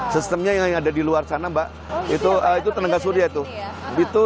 sistemnya yang ada di luar sana mbak itu tenaga surya itu